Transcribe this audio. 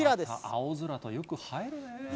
青空とよく映えるね。